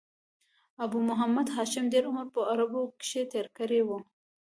ابو محمد هاشم ډېر عمر په عربو کښي تېر کړی وو.